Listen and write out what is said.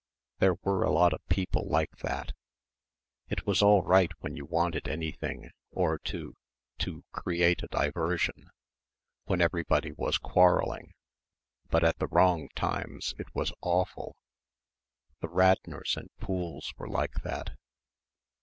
There were a lot of people like that.... It was all right when you wanted anything or to to "create a diversion" when everybody was quarrelling. But at the wrong times it was awful.... The Radnors and Pooles were like that.